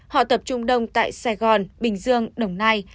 họ tập trung đông tại sài gòn bình dương đồng nai